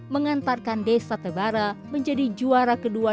mengantarkan desa tebara menjadi juara kedua